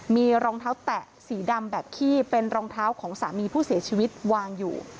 มีรองเท้าแตะสีดำแบบขี้เป็นรองเท้าของสามีผู้เสียชีวิตวางอยู่